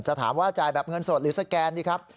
ถามว่าจ่ายแบบเงินสดหรือสแกนดีครับ